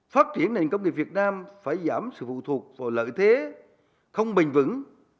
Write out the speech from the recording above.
phát triển nền công nghiệp việt nam phải giảm sự phụ thuộc và lợi thế không bền vững